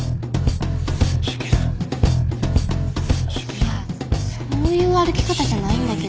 いやそういう歩き方じゃないんだけど。